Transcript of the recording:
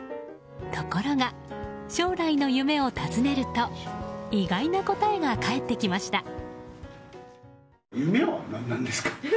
ところが、将来の夢を尋ねると意外な答えが返ってきました。